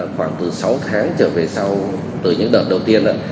khoảng từ sáu tháng trở về sau từ những đợt đầu tiên